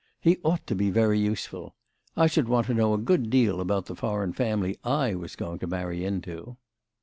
He ought to be very useful. I should want to know a good deal about the foreign family I was going to marry into."